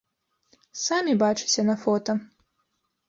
Самі бачыце на фота.